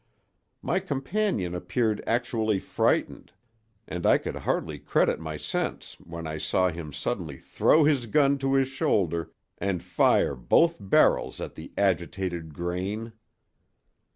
My companion appeared actually frightened, and I could hardly credit my senses when I saw him suddenly throw his gun to his shoulder and fire both barrels at the agitated grain!